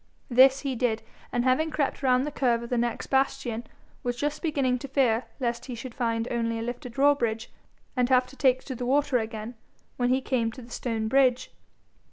This he did, and having crept round the curve of the next bastion, was just beginning to fear lest he should find only a lifted drawbridge, and have to take to the water again, when he came to the stone bridge.